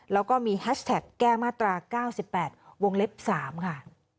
แล้วก็มีแฮชแท็กแก้มาตรา๙๘วงเล็บ๓ค่ะ